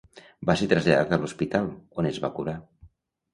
Va ser traslladat a l'hospital, on es va curar.